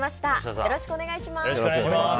よろしくお願いします。